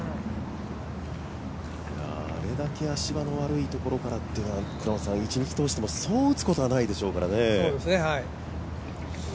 あれだけ足場の悪いところからってなると１日を通してもそう打つことはないでしょうからね。